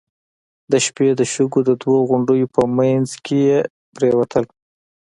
د شپې د شګو د دوو غونډيو په مينځ کې پرېوتل.